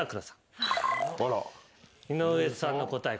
井上さんの答え